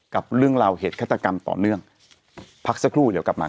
กับเรื่องลาวเหตุ